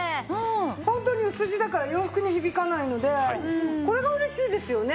ホントに薄地だから洋服に響かないのでこれが嬉しいですよね。